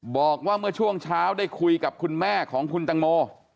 บอกว่าเมื่อช่วงเช้าได้คุยกับคุณแม่ของคุณตังโม